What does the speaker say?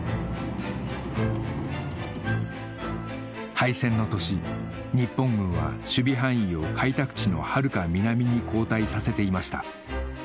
敗戦の年日本軍は守備範囲を開拓地のはるか南に後退させていました